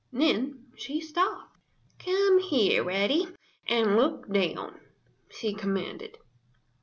Then she stopped. "Come here, Reddy, and look down," she commanded.